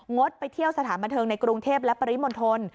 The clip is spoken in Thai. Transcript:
ดไปเที่ยวสถานบันเทิงในกรุงเทพและปริมณฑล